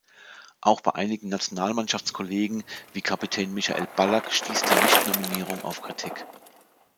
Auch bei einigen Nationalmannschaftskollegen wie Kapitän Michael Ballack stieß die Nichtnominierung auf Kritik.